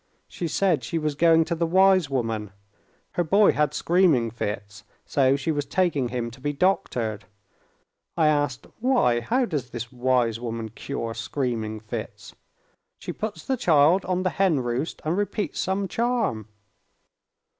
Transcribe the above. She said she was going to the wise woman; her boy had screaming fits, so she was taking him to be doctored. I asked, 'Why, how does the wise woman cure screaming fits?' 'She puts the child on the hen roost and repeats some charm....